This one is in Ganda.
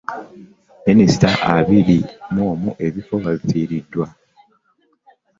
Baminisita abiri mu omu ebifo byabwe babifiiriddwa.